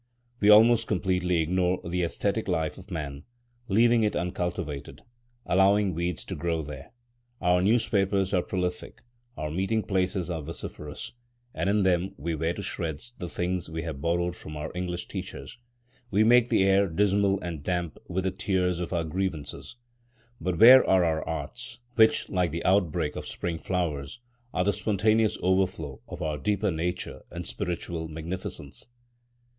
We almost completely ignore the æsthetic life of man, leaving it uncultivated, allowing weeds to grow there. Our newspapers are prolific, our meeting places are vociferous; and in them we wear to shreds the things we have borrowed from our English teachers. We make the air dismal and damp with the tears of our grievances. But where are our arts, which, like the outbreak of spring flowers, are the spontaneous overflow of our deeper nature and spiritual magnificence?